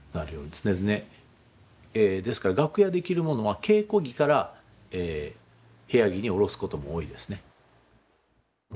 ですから楽屋で着る物は稽古着から部屋着におろすことも多いですね。